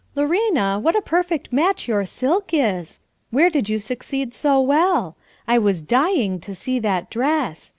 Lorena, what a perfect match your silk is! Where did you succeed so well? I was dying to see that dress!